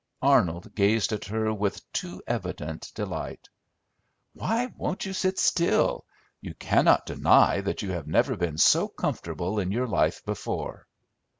Arnold gazed at her with too evident delight. "Why won't you sit still? You cannot deny that you have never been so comfortable in your life before."